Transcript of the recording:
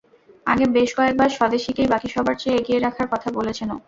আগে বেশ কয়েকবার স্বদেশিকেই বাকি সবার চেয়ে এগিয়ে রাখার কথা বলেছেনও।